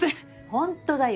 ホントだよ。